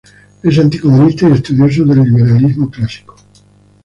Es anticomunista y estudioso del liberalismo clásico.